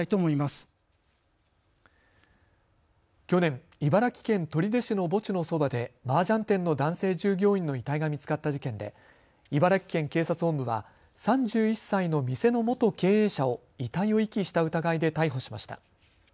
去年、茨城県取手市の墓地のそばで、マージャン店の男性従業員の遺体が見つかった事件で茨城県警察本部は３１歳の店の元経営者を遺体を遺棄した疑いで逮捕しました。